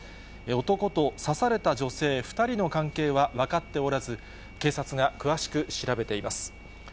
男と刺された女性２人の関係は分かっておらず、警察が詳しく調べています。